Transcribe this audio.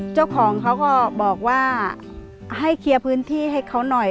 เจ้าของเขาก็บอกว่าให้เคลียร์พื้นที่ให้เขาหน่อย